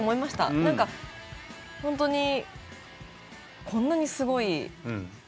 何かホントにこんなにすごい。